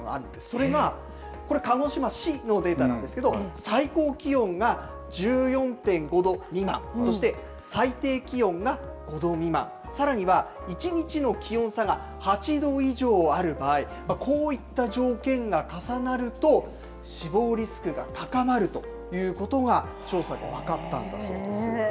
それがこれ、鹿児島市のデータなんですけれども、最高気温が１４．５度未満、そして、最低気温が５度未満、さらには１日の気温差が８度以上ある場合、こういった条件が重なると、死亡リスクが高まるということが調査で分かったんだそうです。